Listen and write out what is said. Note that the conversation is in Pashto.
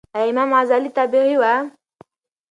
ایا امام غزالې تابعې وه؟